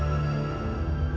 aku bisa sembuh